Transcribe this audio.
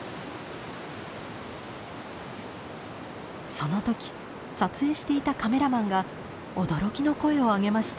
その時撮影していたカメラマンが驚きの声を上げました。